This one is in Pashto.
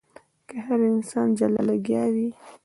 که هر انسان جلا لګيا وي.